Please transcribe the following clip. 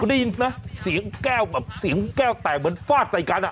ได้ยินไหมเสียงแก้วแบบเสียงแก้วแตกเหมือนฟาดใส่กันอ่ะ